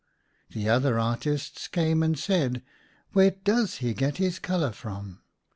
The other artists came and said, " Where does he get his colour from ?